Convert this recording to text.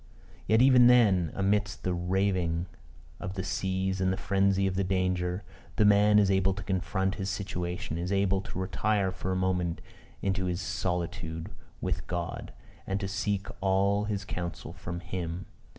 Yet, even then, amidst the raving of the seas and the frenzy of the danger, the man is able to confront his situation is able to retire for a moment into solitude with God, and to seek all his counsel from him!